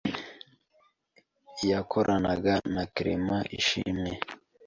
yakoranaga na Clement Ishimwe,